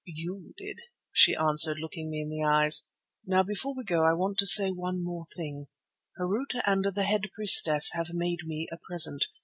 "You did," she answered, looking me in the eyes. "Now before we go I want to say one more thing. Harût and the head priestess have made me a present.